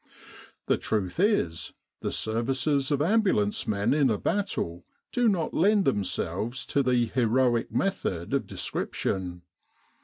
The truth is, the services of ambulance men in a battle do not lend themselves to the heroic method of description.